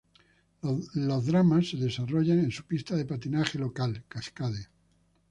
Los dramas se desarrollan en su pista de patinaje local, Cascade.